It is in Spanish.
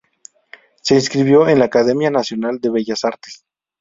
Se inscribió en la Academia Nacional de Bellas Artes.